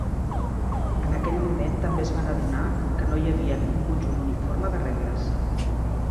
En aquell moment també es van adonar que no hi havien un conjunt uniforme de regles.